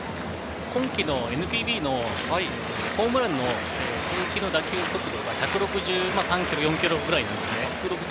今季のＮＰＢのホームランの平均打球速度が１６３キロ、１６４キロぐらいなんですね。